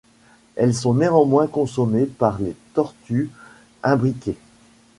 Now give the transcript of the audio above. Elles sont néanmoins consommées par les tortues imbriquées.